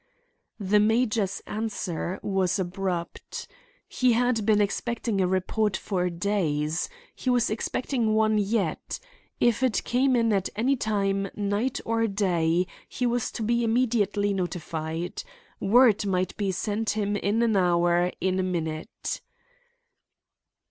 The major's answer was abrupt. He had been expecting a report for days. He was expecting one yet. If it came in at any time, night or day, he was to be immediately notified. Word might be sent him in an hour, in a minute.